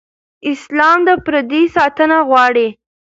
اسلام د پردې ساتنه غواړي.